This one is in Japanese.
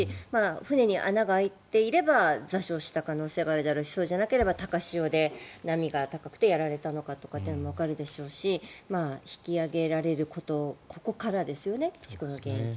船に穴が開いていれば座礁した可能性があるだろうしそうじゃなければ高潮で波が高くてやられたのかとかわかるでしょうし引き揚げられることここからですよね